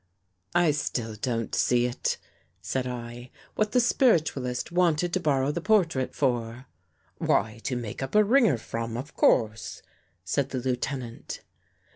" I still don't see," said I, " what the spiritualist wanted to borrow the portrait for." " Why to make up a ringer from, of course," said the Lieutenant.